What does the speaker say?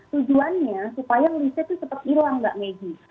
tujuannya supaya riset itu cepat hilang nggak medis